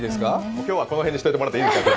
今日はこの辺にしておいてもらっていいですか。